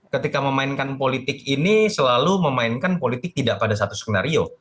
ketika memainkan politik ini selalu memainkan politik tidak pada satu skenario